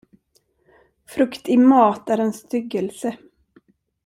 Frukt i mat är en styggelse.